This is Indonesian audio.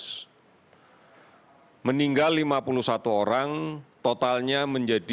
kita mencoba totalnya dalam tahun dua ribu enam puluh empat sehingga totalnya menjadi dua puluh tiga delapan ratus